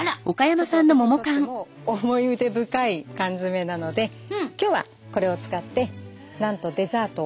ちょっと私にとっても思い出深い缶詰なので今日はこれを使ってなんとデザートを。